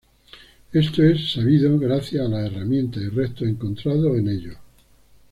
Esto es sabido gracias a las herramientas y restos encontrados en ellos.